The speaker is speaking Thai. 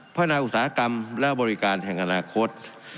พัฒนาอุตสาหกรรมและบริการแห่งอนาคต